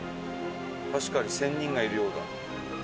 確かに仙人がいるようだ。